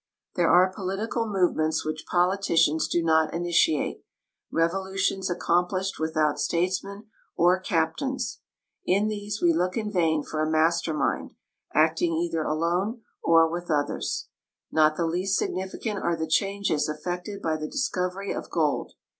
There are political movements which politicians do not initiate ; revolutions accomplished without statesmen or captains. In these we look in vain for a master mind, acting either alone or with others. Not the least significant are the changes efl'ectod by the discovery of gold.